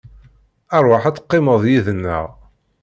Rwaḥ ad teqqimeḍ yid-neɣ.